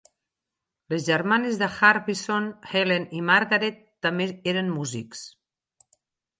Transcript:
Les germanes de Harbison, Helen i Margaret, també eren músics.